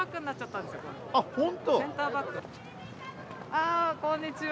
あこんにちは。